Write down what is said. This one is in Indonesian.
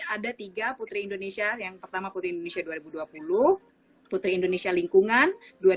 ada tiga putri indonesia yang pertama putri indonesia dua ribu dua puluh putri indonesia lingkungan